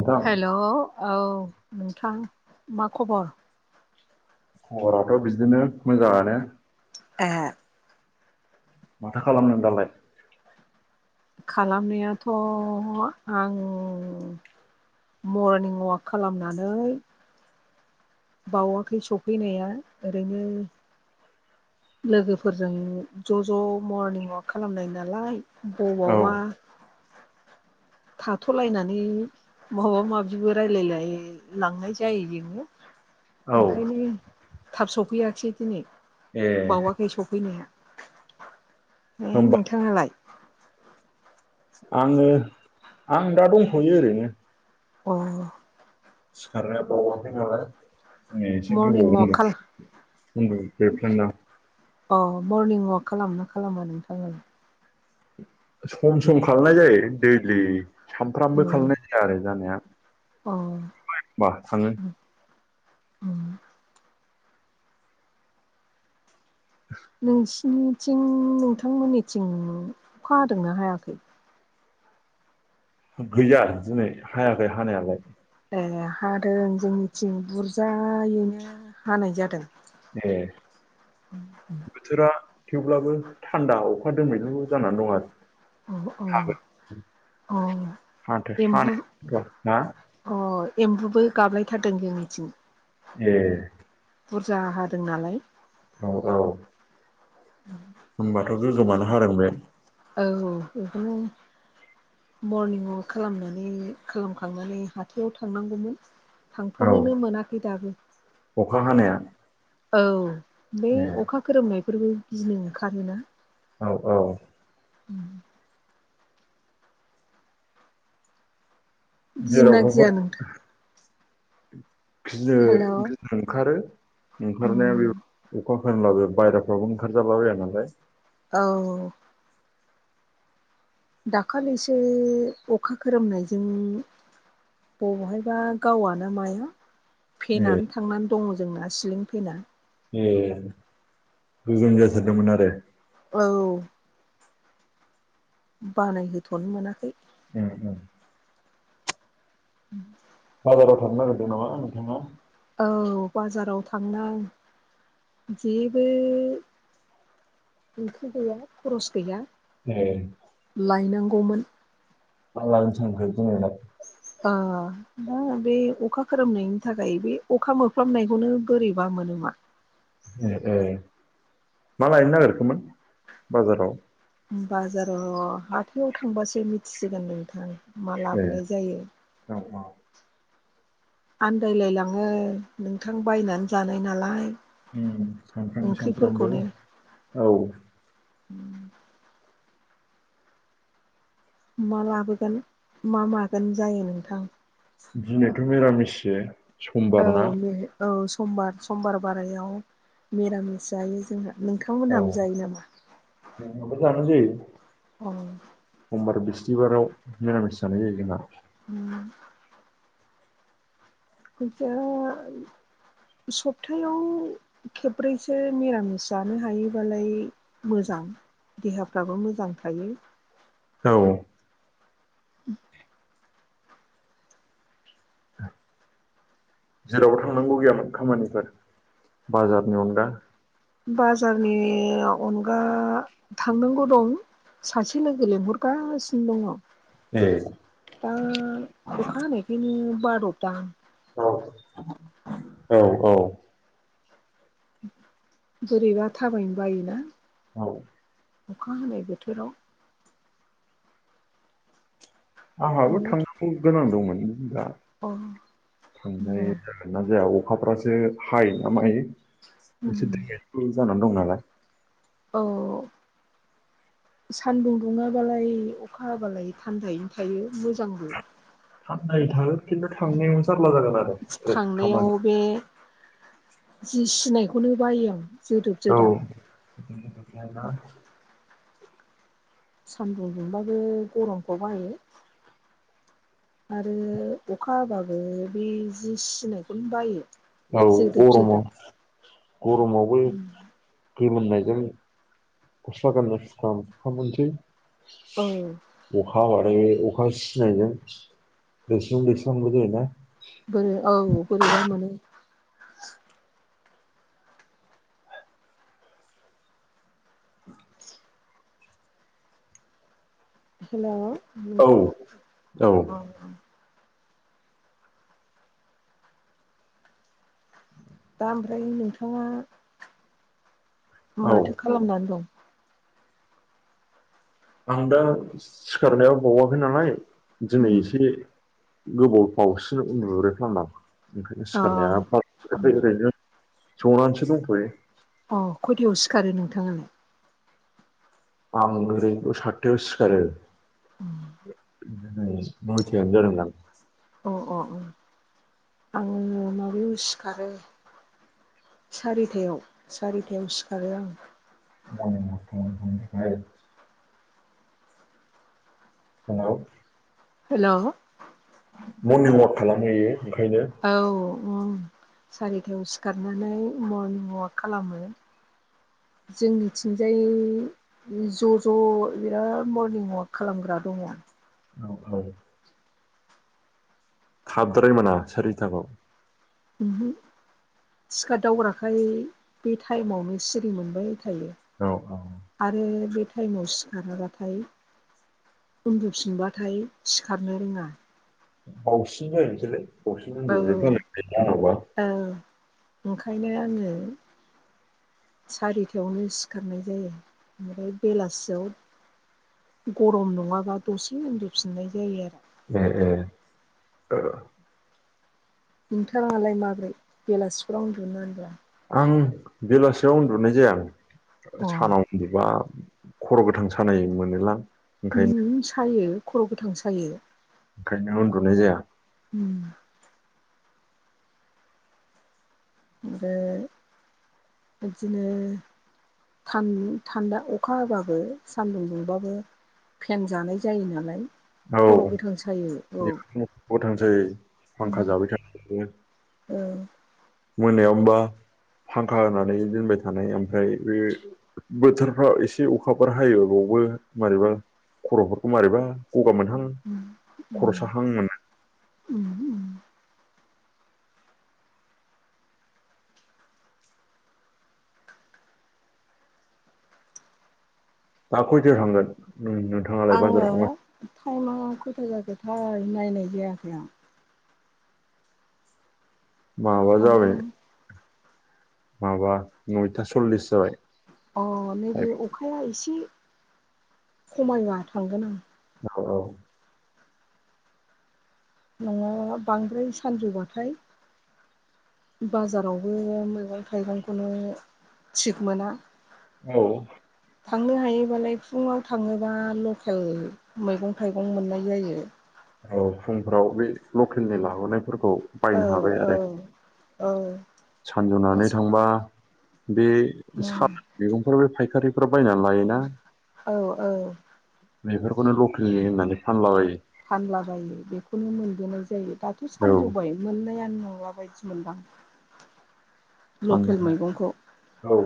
नोंथां हेल' औ नोंथां मा खबर? खबराथ' बिदिनो मोजाङानो। ए माथो खालामदों दालाय? खालामनायाथ' आं मरनिं अवाक खालामनानै बावआखै सफैनाया ओरैनो लोगोफोरजों ज' ज' मरनिं अवाक खालामनाय नालाय औ बबावबा थाथ'लायनानै माबा माबिबो रायलायलायो लांनाय जायो बेबो ओंखायनो थाब सफैयाखसै दिनै ए बावाखै सफैनाया। है होमबा नोंथाङालाय? आंङो आं दा दंथ'यो ओरैनो। अ सिखारनाया बायाखै नालाय। दिनै एसे मरनिं गोबाव वाक उन्दु खाल उन्दु ब्रेफ्लांदां। अ मरनिं अवाक खालामनाा खालामो नोंथाङांलाय? सम सम खालामनाय जायो दैलि अ सामफ्रामबो खालामनाय जाया आरो जानाया। अ एखमबा बा थांङो। उम उम [inaudible] नोंसिनिथिं नोंथांमोननिथिं अखा हादोंना हायाखै? गैया दिनै हायाखै हानायालाय। ए हादों जोंनिथिं बुरजायैनो हानाय जादों। ए बोथोरा थेवब्लाबो थान्दा अखा दोमैलु जानानै दं आरो। अ अ हागोन अ हाथो एम्बु हानो औ हो? अ एम्बुबो गाबलायथारदों जोंनिथिं। ए बुरजा हादों नालाय। औ औ होनबाथ' गोगोमानो हादों बे औ बेखौनो मरनिं अवाक खालामनानै खालामखांनानै हाथायाव थांनांगौमोन थांथ'नोनो मोनाखै दाबो अखा हानाया औ बे‌ अखा गोरोमनायफोरबो गिनो ओंखारोना। औ औ उम गियोना जेरावबाफोर गिया नोंथां गियो हेलौ गिनो ओंखारो। ओंखारनाया बे अखा खोरोमलाबो बायराफ्रावबो ओंखारजाला बाया नालाय। औ औ दाखालिसो अखा खोरोमनायजों बबहायबा गावआ ना माया फेनानै थांनानै दङ जोंना सिलिं फेना ए गोजोन जाथारदोंमोन आरो औ बानायहोथ'नो मोनाखै उम उम [unintelligible] बाजाराव थांनो नागिरदों नामा नोंथांङा औ बाजाराव थांनाय जेबो ओंख्रि गैया खरस गैया ए लायनांगौमोन। मा लायनो थांगोन जेनबा? ओ ना बे अखा खोरोमनायनि थाखाय बे अखा मोफ्लामनायखौनो बोरैबा मोनोमा। ए ए मा लायनो नागिरखोमोन बाजाराव? बाजाराव हाथायाव थांबासो मिथिसिगोन नोंथां मा ए लाबोनाय जायो। औ औ आन्दायलायलाङो नोंथां बायनानै जानाय नालाय ओम सानफ्रामबो सानफ्रामबो ओंख्रिफोरखौनो औ [inaudible] मा लाबोगोन मा मागोन जायो नोंथां दिनैथ' मिरामिससो समबार औ ना औ समबार समबार बारायाव मिरामिस जायो जोंहा औ नोंथांमोनहाबो जायो नामा जानाय जायो अह समबार बिस्थिबाराव निरामिस जानाय जायो जोंहा उम [inaudible] सप्थायाव खेब्रैसो निरामिस जानो हायोबालाय मोजां देहाफ्राबो मोजां थायो औ [inaudible] जेरावबो थांनांगौ गैयामोन खामानिफोर बाजारनि अनगा बाजारनि अनगा थांनांगौ दं सासे लोगो लेंंहरगासिनो दङ एह दा अखा हानायखायनो बार'दां औ औ औ बोरैबा थाबायनो बायोना औ अखा हानाय बोथोराव आंहाबो नोङो थांनांगौ गोनां दंमोन दा अ थांनाय जागो नना जाया अखाफ्रासो हायो ना मायो एसे उम [unintelligible] जानानै दं नालाय। औ सानदुं दुङाबालाय अखा हाबालाय थान्दायैनो थायो मोजांबो। [unintelligible] थागोन खिन्थु थांनायाव जारला जागोन आरो। खामानि थांनायाव बे जि सिनायखौनो बायो आं। जोदोब औ। जोदाब सान्दुं दुंबाबो गरमखौ बायो आरो अखा हाबाबो बे जि सनायखौनो बायो। औ जोदोब गरमाव जोदाब गरमावबो। गे मोननायजों गस्ला गानना सुुखसै। औ। अखा बानायै अखा सिनायजों दैस्लोम दैस्लोमबो जायोना? बोरै औ बोरैबा मोनो। हेल' औ नोंथां औ। दा ओमफ्राय नोंथाङा औ माथो खालामनानै दं। आं दा सिखारनायाव बावाखै नालाय दिनै उम एसे। गोबाव [unintelligible] ओंखायनो अ सिखारनाया [unintelligible] जनानैसो दंथयो। अ खयथायाव सिखारो नोंथाङालाय आं ओरैबो सातथायाव सिखारो ओम नयथायानो जादों दां अ अ अ आङो माबायाव सिखारो। सारिथायाव सारिथायाव सिखारो आं [inaudible] औ। हेल'। मर्निं अवाक खालामहैयो ओंखायनो औ सारिथायाव सिखारनानै मरनिं अवाक खालामो जोंनिथिंजाय ज' ज' बिराद मरनिं अवाक खालामग्रा दङ औ औ खाबद्राय मोना सारिथाआव थिखा दावग्राखाय बे टाइमावनो सिरि मोनबाय थायो औ औ आरो बे टाइमाव सिखाराबाथाय उन्दुफिनबाथाय सिखारनो रोङा बासिन जायो नोंसोरलाय बावसिन औ उन्दु जबा औ ओंखायनो आङो सारिथायावनो सिखारनाय जायो ओमफ्राय बेलासियाव गरम नङाबा दसे उन्दुफिननाय जायो आरो औ नोंथाङालाय माब्रै बेलासिफोराव उन्दुनोब्ला आं बेलासियाव उन्दुनाय जाया आं अ सानाव उन्दुबा खर' गोथां सानाय मोनोलां ओंखायनो सायो खर' गोथां सायो ओंखायनो उन्दुनाय जाया उम ओमफ्राय बिदिनो थान्दा अखा होबाबो सान्दुं दुंबाबो फेन जानाय जायो नालाय औ खर' गोथां सायो औ बेखौनो गथांसै फांखा जाबाय थायो उ मोनायाव हबा फांखा होनानै दोनबाय थानाय ओमफ्राय बे बोथोरफ्राव एसे अखा ब हायो बेावबो मोरबा खर'फोरखौ मारोरैबा गगा मोनहां खर' साहां मोन दाखैथो थांगोन नोंथाङालाय बाजाराव आङो टाइमा खयथा जाखोथाय नायनाय जायाखै आं माबा जाबाय थांगोन माबा नयथा सल्लिस जाबाय अ नैबे अखाया एसे खमायबा थांगोन आं। औ औ नोङो बांद्राय सानजौबाथाय बाजारावबो मैगं थाइगंखौनो थिग मोना। औ थांनो हायोबालाय फुङाव थाङोबा लकेल मैगं थाइगं मोननाय जायो। औ फुंफ्राव बे लकेलनि लाबोनायफोरखौ बायनो औ औ औ सानजुनानै थांबा बे स दा मैगंफोर बे फायखारिफाव बायनानै लायोना औ औ बेफोरखौनो लकेलनि होननानै फानलाबायो फानलाबायो बेखौनो मोनबोनाय जायो दाथ' औ सानजौबाय मोननै आं मला बायदि मोनदां लकेल मैगंखौ सानजौनाय औ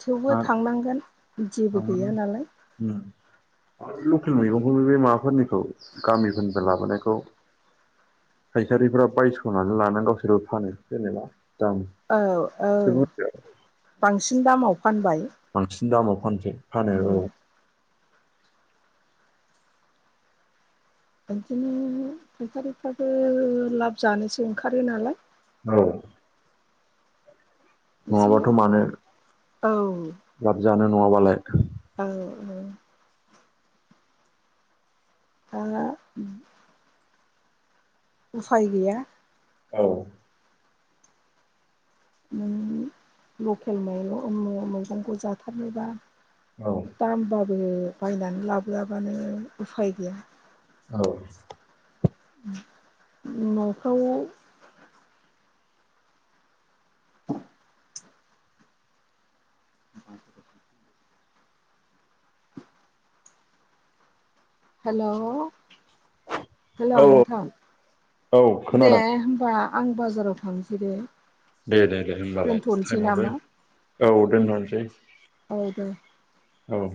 थेवबो आरो थांनांगोन जेबो गैया थांनानै नालाय। उम लकेल मैगंफोरनि बे माबाफोरनिखौ गामिफोरनिफ्राय लाबोनायखौ फायखारिफोरा बायस'नानै लानानै गावसोरबो फानो जेनेबा दाम औ औ एसे बुरजायाव बांसिन दामाव फानबाय बांसिन दामाव फानसै फानो औ उम बिदिनो फायखारिफ्राबो लाब जानोसो ओंखारो नालाय औ एसे नंङाबाथ' मानो औ लाब जानो नङाबालाय औ ओं [unintelligible] उफाय गैया औ नों लकेलं मैगं [unintelligible] खौ जाथारनोबा औ दामबाबो बायनानै लाबोआबानो उफाय गैया। औ न'फ्राव [inaudible] हेलौ हेलौ औ नोंथां औ दे खोनादों होमबा आं बाजाराव थांसै दे। दे दे दे होनबालाय दोनथ'नोसै टाइमाबो नामा औ दोनथ'नोसै। औ दे औ